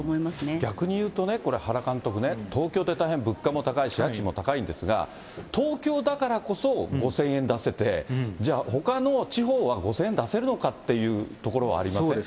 逆に言うとね、これ、原監督ね、東京って大変物価も高いし、家賃も高いんですが、東京だからこそ５０００円出せて、じゃあ、ほかの地方は５０００円出せるのかっていうところはありません？